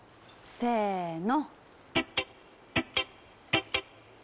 せの！